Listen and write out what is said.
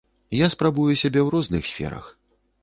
Я спрабую сябе ў розных сферах.